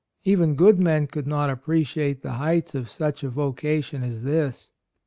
Even good men could not appreciate the heights of such a vocation as this.